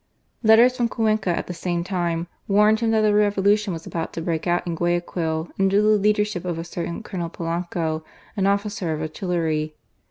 Letters from Cuenca at the same time warned him that a Revolu tion was about to break out in Guayaquil, under the leadership of a certain Colonel Polanco, an officer of artillery.